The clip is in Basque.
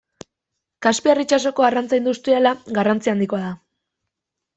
Kaspiar itsasoko arrantza industriala garrantzi handikoa da.